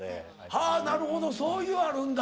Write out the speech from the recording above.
はなるほどそういうあるんだ。